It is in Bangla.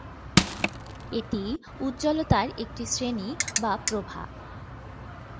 এটি উজ্জ্বলতার একটি শ্রেণী বা প্রভা।